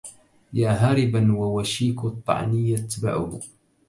يا هاربا ووشيك الطعن يتبعه